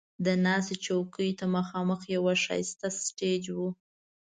د ناستې چوکیو ته مخامخ یو ښایسته سټیج و.